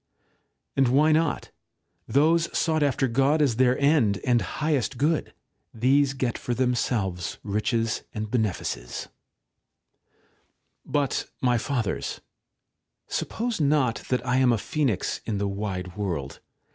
And why not ? Those sought after God as their end and highest good ; these get for themselves riches and benefices^ § 8. But, my Fathers, suppose not that I am a phoenix in the wide world.